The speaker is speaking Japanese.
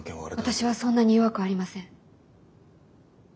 私はそんなに弱くありません。